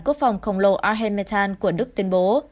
quốc phòng khổng lồ arhementan của đức tuyên bố